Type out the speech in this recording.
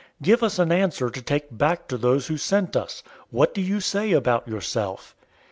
Give us an answer to take back to those who sent us. What do you say about yourself?"